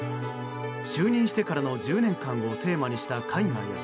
就任してからの１０年間をテーマにした絵画や。